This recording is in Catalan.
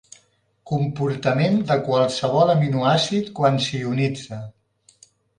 Comportament de qualsevol aminoàcid quan s'ionitza.